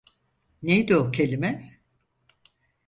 Neydi o kelime?